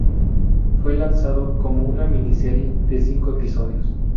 Fue lanzado como una miniserie de cinco episodios.